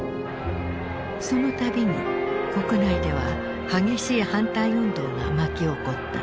そのたびに国内では激しい反対運動が巻き起こった。